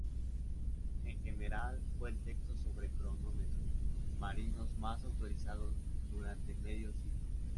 En general, fue el texto sobre cronómetros marinos más autorizado durante medio siglo.